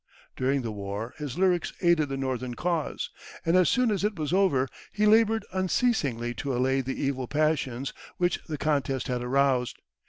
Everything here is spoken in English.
During the war, his lyrics aided the Northern cause; and as soon as it was over, he labored unceasingly to allay the evil passions which the contest had aroused.